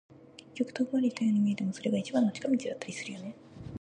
結局、遠回りしたように見えても、それが一番の近道だったりするよね。